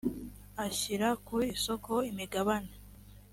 ushyira ku isoko imigabane